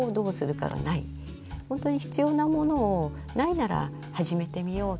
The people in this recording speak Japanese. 本当に必要なものをないなら始めてみよう。